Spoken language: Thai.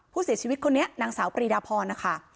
ผู้เสียชีวิตคนนี้นางสาวปรีดาพรนะคะ